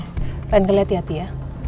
kalian kelihatan hati hati ya